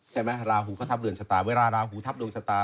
ใช่ไหมราหูเขาทับเรือนชะตาเวลาราหูทับดวงชะตา